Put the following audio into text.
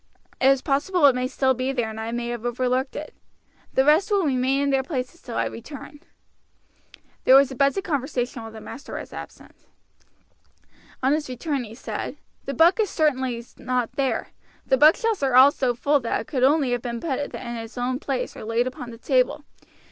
It is possible it may still be there and I may have overlooked it. The rest will remain in their places till I return." There was a buzz of conversation while the master was absent. On his return he said: "The book is certainly not there. The bookshelves are all so full that it could only have been put in its own place or laid upon the table.